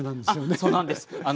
あっそうなんです。